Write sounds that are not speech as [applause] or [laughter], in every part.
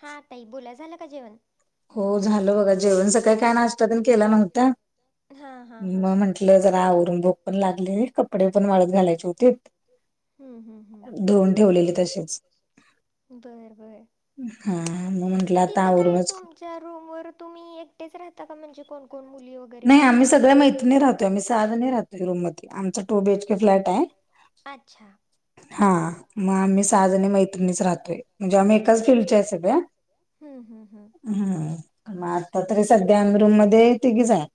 हा.. ताई बोला. झालं का जेवण? हो झालं बघा जेवण, सकाळी काय नाश्त केला नव्हता. म म्हटलं, जराभक [inaudible] [inaudible] पण लागले. कपडे पण वाळत घालायचे होती. धुऊून ठेवलेले तशीच, बरं... बरं... हा, मग म्हंटलं आतावरूनच [inaudible] रूम वर तुम्ही एकटेच राहता का. म्हणजे? कोण, कोण, मुली व नाही, आम्ही सगळ्या मैत्रीणी राहतो. आम्ही साधाने राहो. रूमध आमच टू बीएच केे फ्लॅट आहे. हा, मग आम्ही सहाज आणि मैत्रिणीच राहतोय. म्हणजे? आम्ही [inaudible] [inaudible] [inaudible] कस फचय स ब हम... मग, आता तरी सध्यारूम मध्ये तघीच आहे.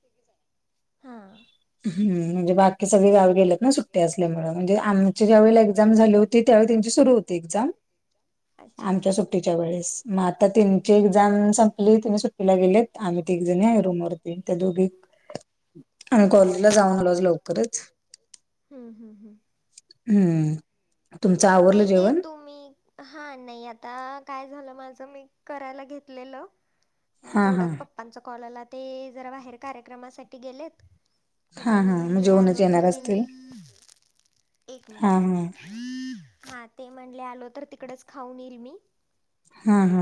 हां..... हम्म.... म्हणजे बाकी की सगळे गाव गेलेत ना. सुट्टी असल्यामुळे, म्हणजे? आमची ज्यावेेळी एक्झाम झाली होती. त्यावेळी त्यांची सुरु होती. एक्झाम च्या [inaudible] [inaudible] [inaudible] आमच्या सुट्टीच्या वेळेस मग आता तची एक्झाम संपली ती सुट्टी. तिला गेलेत आम्ही तीग जण आहे रूम वरती त्या दोघी. आणि कॉलेजला जाऊन आलोज लवकरच. हम्म. नाही ते तु्ही. हा नाही आता काय झालं माझं मी करायला घेतलेलं. मग तेवढंच पप्पांचा कॉल आला ते जरा बाहेर कार्यक्रमासाठी गेलेत. मग त्यांनी म्हणले आलो तर त्यांनी एक मिनट. हा ते म्हणले आलो तर तिकडेच खाऊन येईल मी.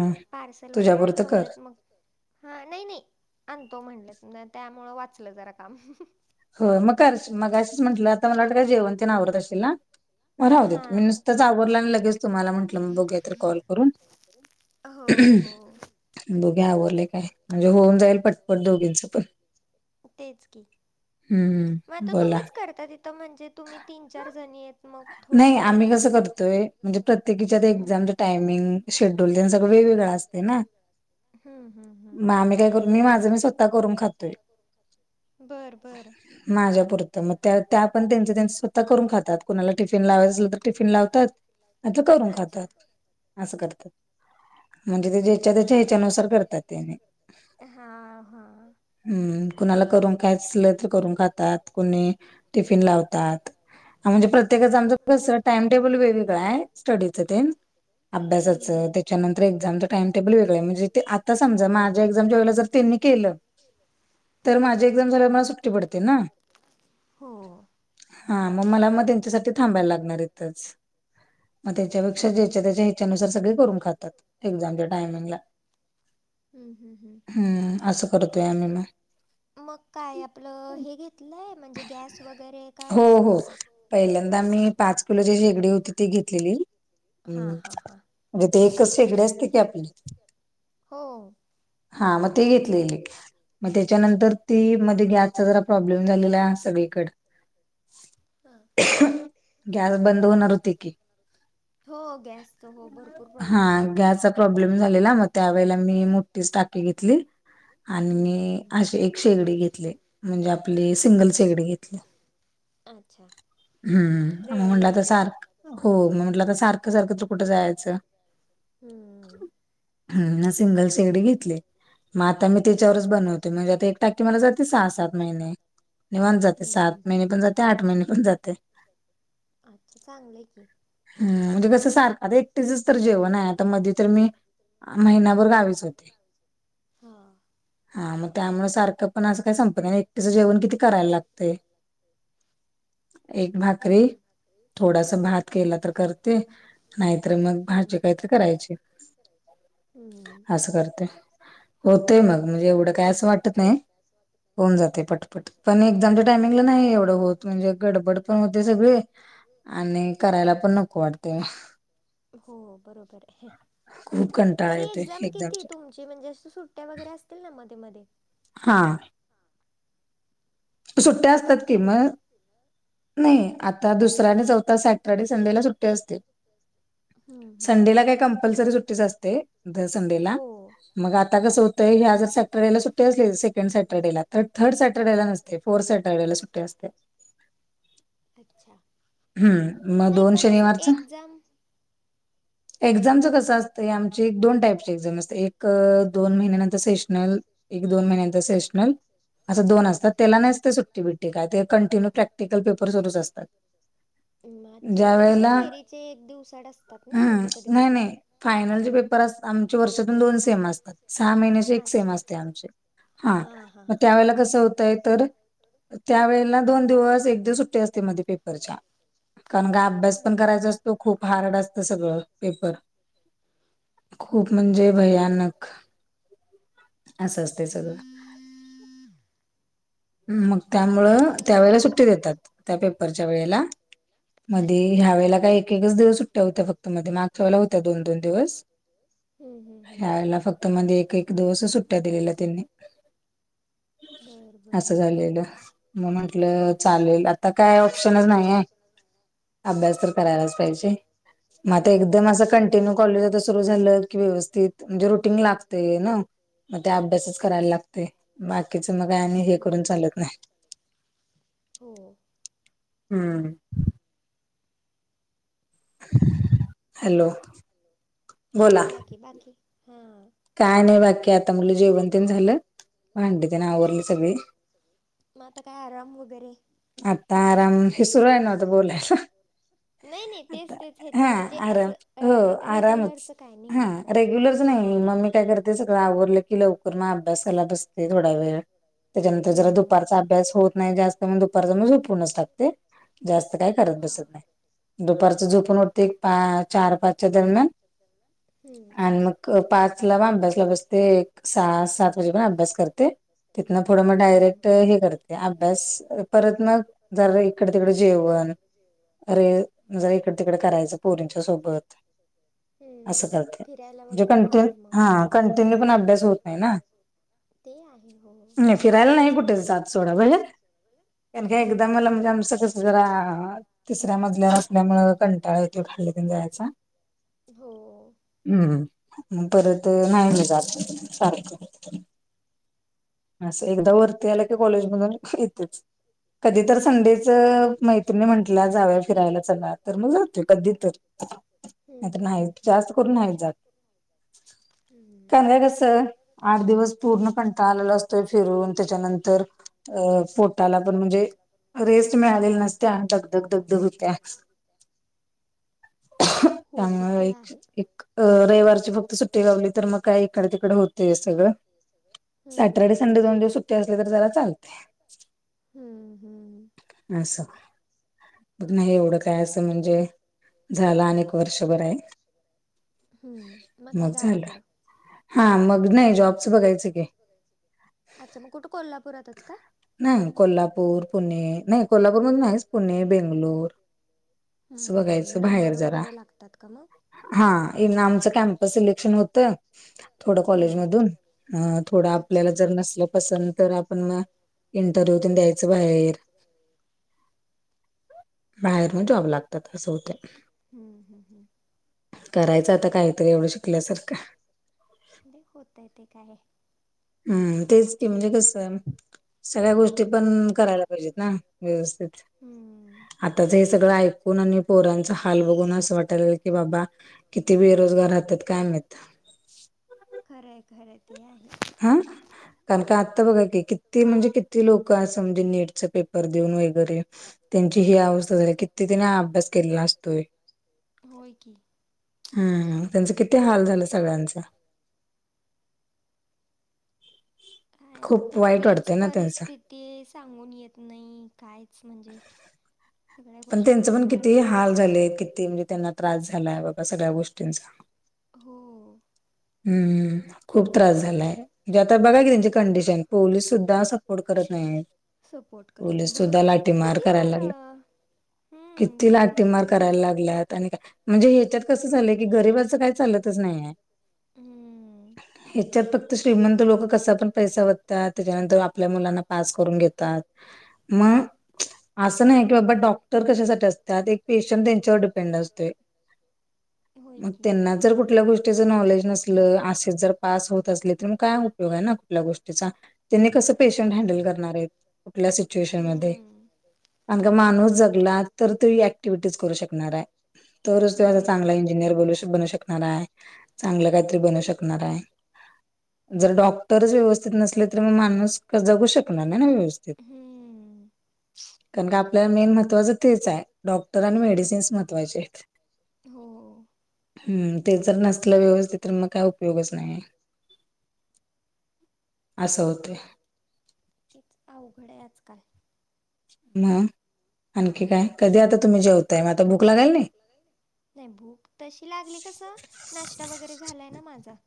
मग पार्सल वगैरे आणतो [inaudible] मग. हा नाही नाही आणि तो म्हणलं त्यामुळं वाचलं जरा काम. हो मग मग असेच म्हंटलं आता मला वाटतं का जेवण ते ना आवरत [inaudible] ना. राहू देेत मी नुसतच आवरडला नाही लगेच तुम्हाला म्हंटलं मग बघू तर कॉल करून. दोघे आवरले काय म्हणजे होऊन जाईल पटपट दोघींचं पण. तेच की. हम् हम. मगता तुम्हीच करता तथं म्हणजे तुम्ही तीन चार जणी आहेत मग. नाही आम्ही कसं करतोय म्हणजे प्रत्येकीच्या एक्झामच टायमिंग. शेडल वेगग अस ना मग आम्ही काय तो. मी माझ मी स्वतः करून खातोय. माझ्यापुरतं मग त्या त्या पण त्यांच त्यां स्वतः करून खातात. ला टिफिन लावायच असेल तर टिफिन लावतात आ करून खातात. असं करतात म्हणजे ते जे. हा हा. हम्म कुणाला करून खयच असलं तर करून खातात कुणी टिफिन लावतात. ह म्हणजे प्रत्येकाच आमचं कसं टाइम टेबल वेगवेगळं आहे. [inaudible] अभ्यासाचं त्याच्यानंतर एक्झामचं टाइम टेबल वेगळं म्हणजे ते आता समजा माझ्या एक्झामच्या वेळेला ज. त्यांनी केलं. हो. हा मग मला मग त्यांच्यासाठी थांबायला लागणार तिथेच. मग त्याच्यापेक्षा ज्याच्या त्याच्या हिच्यानुसार सगळे करून खातात एक्झामच्या टायमिंगला. हम्म असं करतोय आम्ही मग. मग काय आपलं हे घेतलंय म्हणजे गॅस वगैरे का कसं. पहिल्यांदा मी पाच किलो जी झेगडी होती ती घेतलेली. हम्म ती एकच शेगडी असतीय की आपली. हा मग ते घेतलेली. मग त्याच्यानंतर ती मध्ये गॅसचा जरा प्रॉब्लेम झालेला आहे सगळीकडं‌. गॅस बंद होणार होते की. हो गॅसच हो भरपूर प्रॉब्लेम झालता. प्रॉब्लेम झालेला मग त्यावेळेला मी मोठीच टाकी घेतली आणि मी अशी. शेगडी घेतली म्हणजे आपलीं सिंगल. शेगडी घेतली हम्मग म म्हटलं सारख. हो म म्हटलं आता सारखं सारखं तर कुठं जायचं. हम ना सिंगल शेडी घेतली. मग आता मी त्याच्यावरच बनवते म्हणजे आता एक टाकी मला जाते सहा, सात महिने. निवांत जातय, सात महिने पण जातय आठ महिने पण जातय. हम्म, म्हणजे कसं सारख, आता एकटीचच तर जेवण हाय. आता मध्ये तर मी महिनाभर गावीच होते,,, हा मग त्यामुळे सारखं पण अस संपत आणिएकटीच जेवण किती करायला लागतय, एक भाकरी थोडासा भात केला तर करते. नाहीतर मग भाजी कायतरी - करायची,, असं करतोय. होतय मग म्हणजे एवढं काय असं वाटत नाही, होऊन जातंय पटपट. पण एक्झाम च्या टायमिंगला नाही एवढं होत, म्हणजे गडबड पण होते सगळी, आणि करायला पण नको वाटतंय. हो बरोबर आहे, तरी एक्झाम किती तुम ची म्हणजे अशा सुट्ट्या वगैरे असतील ना मध्ये मध्ये. हा. सुट्ट्या असतात कि म, नाही आता दुस दुसरा आणि चौथा सॅटर्रडे संडेला सुट्टी असते.. संडेला काय कंपल्सरी सुट्टीच असते, दर संडेला. मग आता कसं होतंय, ह्या जर सॅटरडेला सुट्टी असली सेकंड सॅटरडेला, तर थर्ड सॅटरडेला नस ते, फोर सॅटर्डे ला सुट्टी असते. अच्छा, नाही पण असं एक्झाम एक्झामचं कसं असतंय, आमची एक दोन टाईपची एक्झाम असते, एक दोन महिन्यानंतर सेशनल एक दोन महिन्यांचा सेशनल, असं दोन असतात, त्याला नाहीच ते सुट् टी बिट्टी, काय ते कंटिन्यू प्रॅक्टिकल पेपर सूरूच असतात. म अच्छा म्हणजे कसं, थेरीचे एक दिवसाड असतात ना म्हणजे कधी कधी. फायनलचे पेपर अस आमच्या वर्षातून दोन सेम असतात, सहा महिन्याची एक सेम असते आमची. हा, मग त्यावेेळेला कसं होतंय तर त्या वळेला दोन दिवस एक दिवस सुट्टी असते मध्ये पेपरच्या, कारण का अभ्यास पण करायचा असतो, खूप हार्ड असतं सगळं पेपर. खूप म्हणजे भयानक, असं असतय सगळं. मग त्यामुळं, त्यावेेळेला सुट्टी देतात त्या पेपरच्या वेळेला. मध्ये ह्या वेळेला काय एक एकच दिवस सुट्या होत्या फक्त, मध्ये मागच्या वेळेला होत्या दोन दोन दिवस. हम्म हम्म हम्म. मधे एक एक दिवसच सुट्ट्या दिलेल्या त्यांनी‌. असं झालेलं, मग म्हंटलं चालेल आता काय ऑप्शनच नाही आहे, अभ्यास तर करायलाच पाहिजे. मग आता एकदम असं कंटिन्यू कॉलेज आता सुरू झालं की व्यवस्थित, म्हणजे रुटीन लागते नं, मग ते अभ्यासच करायला लागतंय. बाकीच मग आणि हे चालत नाही, हम्म हॅलो. ! हां बोला की बाकी, हां. काय नाही बाकी आता मुलं जेवन तन झालं भांडीतेन आवरली सगळी, आता आराम हे सुरू आहे ना आता बोलायला आता हा आराम, हो आरामच, हा रेग्युलर नाही मग मी काय करते, सगळं आवरलं की लवकर मग अभ्यासाला बसते थोडा वेळ. त्याच्यानंतर जरा दुपारचा अभ्यास होत नाही जास्त, म दुपारचा म झोपूनच टाकते. जास्त काय करत बसत नाही दुपारच झोपून उठते पा चार पाचच्या दरम्यान आणि मग पाच ला पण अभ्यासला बसते एक सहा, सात वाजे पण अभ्यास करते तिथं पुढं मग डायरेक्ट हे करते अभ्यास परत मग जरा इकडे, तिकडे जेवण [unintelligible] अरे जरा इकड, तिकड करायचं पोरींच्या सोबत हम्म ते म्हणजे कंटिन्यू हा कंटिन्यू पण अभ्यास होत नाही ना ते आहे हो नाही फिरायला नाही कुठे जात सोडा बाहेर कारण का एकदम आलं म्हणजे आमच कस जरा तिसऱ्या मजल्या असल्यामुळ कंटाळ येतो खाली तेन जायचा हो हम्म म परत नाही मी जात सारखं अस एकदा वर ते आला की कॉलेज मधून [unintelligible] कधीतर संडेच मैत्रिणी म्हंटल्या जाव्या फिरायला चला तर मग जातोय कधी तर हम, हम, हम जास्त करून नाही जात [unintelligible] कस आठ दिवस पूर्ण कंटाळा आलेला असतोय फिरून त्याच्यानंतर अ पोटाला पण म्हणजे रेस्ट मिळालेली नसत्या आणि दगदग, दगदग होत्या [unintelligible] त्यामुळ एक, एक अ रविवार फक्त सुट्टीाली तर मग काय इकड, तिकडं होतंयच सगळं सॅटर्डे, संडे दोन दिवस सुट्टी असली तर जरा चालतय हम्म, हम्म असं हे एवढं काय असं म्हणजे झालं अनिक वर्षभर आहे हम्म मग झालं हा मग नाही जॉब अच्छा मग कुठ कोल्हापुरातच का नाही कोल्हापूर, पुणे नाही कोल्हापूर मधेच नाही पुणे, बेंगलूर हम, हम, हम नंबर वगैरे लागतात का मग हा इनामचं कॅम्पस सिलेक्शन होतं थोडं कॉलेजमधून अ थोडं आपल्याला जर नसलं पसंत तर आपण म इंटरव्ह्यूतून द्यायचं बाहेर बाहेर म जॉब लागत्यात असं होतय हम, हम, हम करायचं आता काहीतरी एवढं शिकल्यासारखं दीक होतय ते काय हम् तेच की म्हणजे कसं सगळ्या गोष्टी पण करायला पाहिजेत ना व्यवस्थित आताच हे सगळं ऐकून आणि पोरांचा हाल बघून असं वाटायलय की बाबा किती बेरोजगार राहतात काय माहित. खरंय खरं ते आहे. आ? कारण का आता बघा की किती म्हणजे किती लोक समजा नीटचा पेपर देऊन वगैरे. त्यांची ही अवस्था झाली किती त्याने अभ्यास केलेला असतोय. होय की.. हम्म त्यांचं किती हाल झालं सगळ्यांचं. काय आता कुठलीच परिस्थिती सांगून येत नाही कायच म्हणजे. पण त्यांचं पण किती हाल झाले किती म्हणजे त्यांना त्रास झालाय बघा सगळ्या गोष्टींचा. हो.. हम्म.. खूप त्रास झालाय म्हणजे आता बघा की त्यांचे कंडिशन पोलीस सुद्धा सपोर्ट करत नाही. पोलीस सुुद्धा लाठीमार करायला लागला. किती लाटीमार करायला लागल्यात आणि का म्हणजे ह्याच्यात. कसं झाललंय की गरीबबाचं काही चालतच नाही आहे. हम्म.. ह्याच्यात फक्त श्रीमंत लोक कसा पण पैसा वतात त्याच्यानंतर आपल्या मुलांना पास करून घेतात. मग असं नाही कि बाबा डॉक् कशासाठी असत एक पेशंट त्यांच्यावर डिपेंड असतो मग त्या. जर कुठल्या गोष्टीच नॉलेज नसल असेच जर पास होत असले तर काय उपयोग आहे ना कुठल्या गोष्टीचा. त्यांनी कस पेशंट हॅण्डल करणार आहेत कुठल्या सिच्युएशन म माणूस ज. जगाला तुला ऍक्टिव्हिटीज करू शकणार आहे तरच तू चांगला इंजिनियर बनणार आहे. बनू शकणार आहे चांगलं काहीतरी बनू शकणार आहे जर डॉक. तरच व्यवस्थित नसले तर मग माणूस जगू शकणार नाही ना व्यवस्थित. कारण का आपल्याला मेन महत्त्वाचं तेच आहे डॉक्टर आणि मेडिसिन्स महत्वाचे आहेत. हो.. हम्म ते जर नसलं व्यवस्थित तर मग काय उपयोग. योगच नाही असं होत. तीच अवघड आहे आजकाल. मग आणखी काय कधी आता तुम्ही जेवताय मग आता भूक लागाल नाही? नाही भूक तशी लागली कसं नाश्ता वगैरे झालाय ना माझा.